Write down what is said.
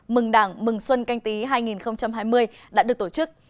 mừng đảng mừng xuân canh tí hai nghìn hai mươi đã được tổ chức